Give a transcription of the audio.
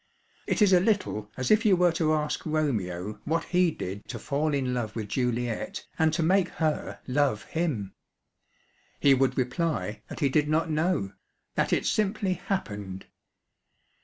It is a little as if you were to ask Romeo what he did to fall in love with Juliet and to make her love him; he would reply that he did not know, that it simply happened.